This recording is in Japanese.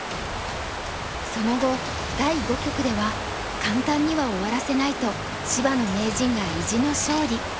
その後第五局では「簡単には終わらせない」と芝野名人が意地の勝利。